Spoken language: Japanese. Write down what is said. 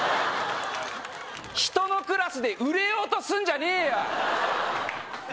人のクラスで売れようとすんじゃねえよ！